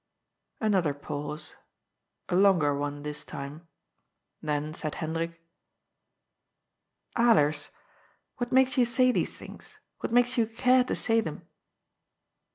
Another pause. A longer one this time. Then said Hendrik : "Alers, what makes you say these things ? What makes you care to say them